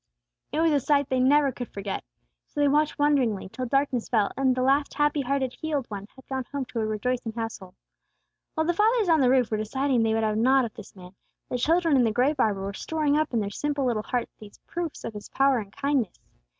It was a sight they never could forget. So they watched wonderingly till darkness fell, and the last happy hearted healed one had gone home to a rejoicing household. While the fathers on the roof were deciding they would have naught of this man, the children in the grape arbor were storing up in their simple little hearts these proofs of his power and kindness.